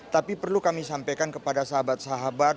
tapi perlu kami sampaikan kepada sahabat sahabat